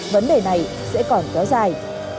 vấn đề này sẽ còn kéo dài